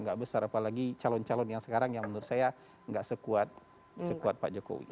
nggak besar apalagi calon calon yang sekarang yang menurut saya nggak sekuat pak jokowi